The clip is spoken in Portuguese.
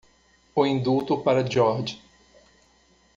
O indulto para George.